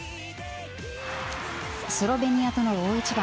スロベニアとの大一番。